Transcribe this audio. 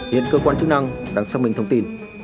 hiện cơ quan chức năng đang xác minh thông tin